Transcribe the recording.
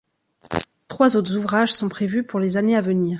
Trois autres ouvrages sont prévus pour les années à venir.